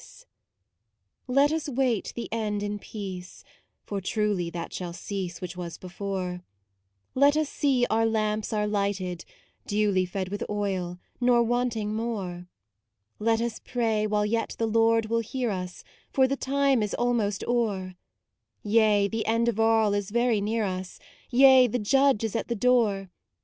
MAUDE 5 1 Let us wait the end in peace; for truly That shall cease which was before: Let us see our lamps are lighted, duly Fed with oil, nor wanting more: Let us pray while yet the Lord will hear us, For the time is almost o'er; Yea, the end of all is very near us; Yea, the Judge is at the door.